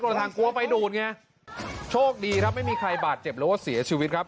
ทางกลัวไฟดูดไงโชคดีครับไม่มีใครบาดเจ็บหรือว่าเสียชีวิตครับ